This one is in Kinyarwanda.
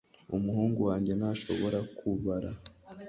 umuhungu wanjye ntashobora kubara